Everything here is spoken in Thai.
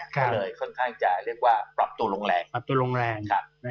ก็เลยค่อนข้างจะเรียกว่าปรับตัวลงแรง